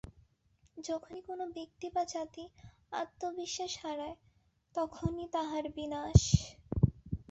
যখনই কোন ব্যক্তি বা জাতি আত্মবিশ্বাস হারায়, তখনই তাহার বিনাশ।